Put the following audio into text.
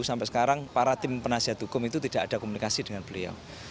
sampai sekarang para tim penasihat hukum itu tidak ada komunikasi dengan beliau